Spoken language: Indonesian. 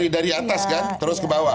dari atas kan terus ke bawah